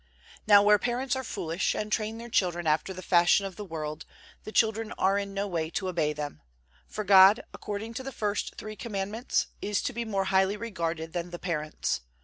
Now where parents are foolish and train their children after the fashion of the world, the children are in no way to obey them; for God, according to the first three Commandments, is to be more highly regarded than the parents.